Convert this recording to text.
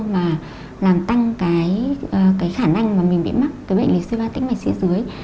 mà làm tăng cái khả năng mà mình bị mắc cái bệnh lý suy giãn tĩnh mạch chi dưới